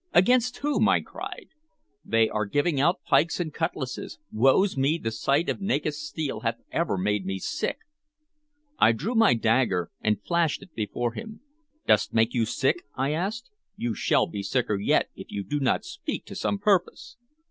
"Against whom?" I cried. "They are giving out pikes and cutlasses! Woe's me, the sight of naked steel hath ever made me sick!" I drew my dagger, and flashed it before him. "Does 't make you sick?" I asked. "You shall be sicker yet, if you do not speak to some purpose."